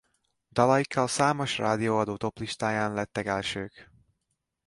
Dalaikkal számos rádióadó toplistáján lettek elsők.